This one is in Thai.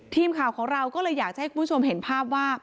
ทีมข่าวของเราก็เลยอยากจะให้คุณผู้ชมเห็นภาพว่า